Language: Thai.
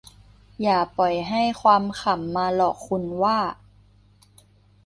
อย่าปล่อยให้ความขำมาหลอกคุณว่า